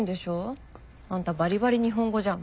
あんたバリバリ日本語じゃん。